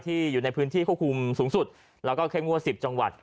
อยู่ในพื้นที่ควบคุมสูงสุดแล้วก็เข้มงวด๑๐จังหวัด